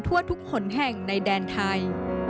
ทั่วทุกขนแห่งในแดนไทย